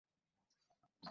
এখানে জন্মেছি তাই।